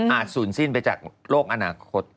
ศูนย์สิ้นไปจากโลกอนาคต